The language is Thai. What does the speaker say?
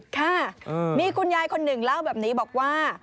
ค่ะมีคุณยายคนหนึ่งเล่าแบบนี้บอกว่า